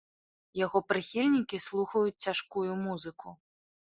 Яго прыхільнікі слухаюць цяжкую музыку.